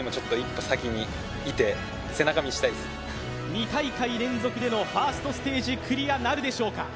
２大会連続でのファーストステージクリアなるでしょうか